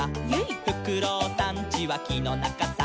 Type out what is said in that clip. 「フクロウさんちはきのなかさ」